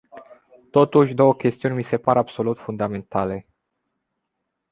Totuși, două chestiuni mi se par absolut fundamentale.